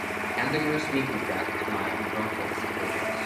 add the newest mikku track to my the brontës playlist